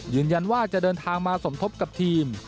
ยืนยันว่าจะเดินทางมาสมทบกับทีม